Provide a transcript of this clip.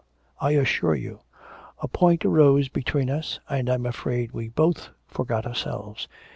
I assure you. A point arose between us, and I'm afraid we both forgot ourselves.